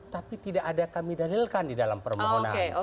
tapi tidak ada kami dalilkan di dalam permohonan